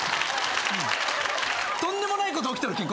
とんでもないこと起きとるけん